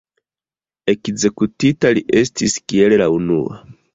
Ekzekutita li estis kiel la unua.